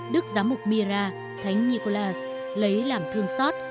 đức giám mục mira thánh nikolas lấy làm thương xót